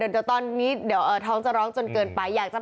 เดี๋ยวตอนนี้เดี๋ยวท้องจะร้องจนเกินไปอยากจะ